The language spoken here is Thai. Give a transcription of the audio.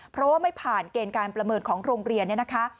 เพราะว่าไม่ผ่านเกณฑ์การประเมินของโรงเรียนเนี่ยนะคะ